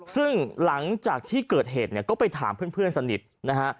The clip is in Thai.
ซึ่งหลังจากที่เกิดเหตุเนี่ยก็ไปถามเพื่อนสนิทนะฮะ